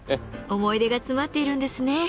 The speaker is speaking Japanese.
思い出が詰まっているんですね。